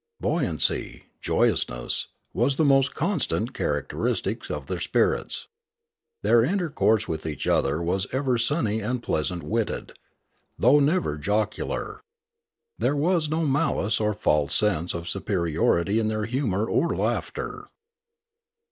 Buoyancy, joyousness, was the most constant characteristic of their spirits. Their intercourse with each other was ever sunny and pleasant witted, though never jocular. There was no malice or false sense of superiority in their humour or laughter.